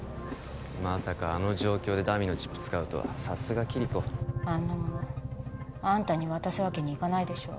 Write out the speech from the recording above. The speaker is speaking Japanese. まさかあの状況でダミーのチップ使うとはさすがキリコあんなものあんたに渡すわけにいかないでしょ